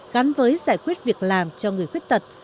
gắn với giải quyết việc làm cho người khuyết tật